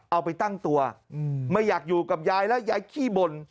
เอาไปตั้งตัวไม่อยากอยู่กับยายแล้วยายขี้บ่น